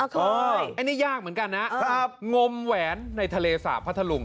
อ่าค่อยอันนี้ยากเหมือนกันนะครับงมแหวนในทะเลสาปพระทะลุง